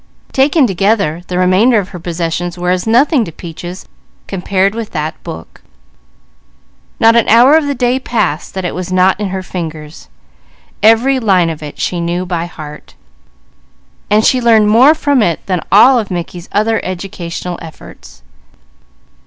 Taken together, the remainder of her possessions were as nothing to Peaches compared with that book. Not an hour of the day passed that it was not in her fingers, every line of it she knew by heart, and she learned more from it than all Mickey's other educational efforts.